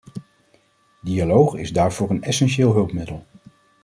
Dialoog is daarvoor een essentieel hulpmiddel.